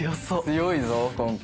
強いぞ今回。